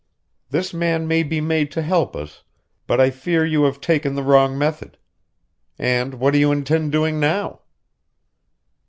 This man may be made to help us, but I fear you have taken the wrong method. And what do you intend doing now?"